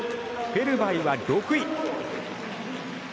フェルバイは６位。